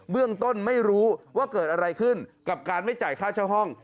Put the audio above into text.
เรื่องต้นไม่รู้ว่าเกิดอะไรขึ้นกับการไม่จ่ายค่าเช่าห้อง